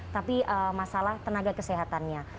tapi masalah tenaga kesehatannya